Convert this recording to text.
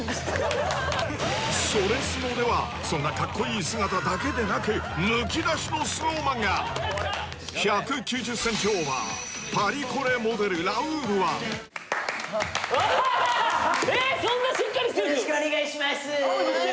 「それスノ」ではそんなカッコいい姿だけでなくむき出しのＳｎｏｗＭａｎが１９０ｃｍオーバーパリコレモデルラウールはそんなしっかりよろしくお願いします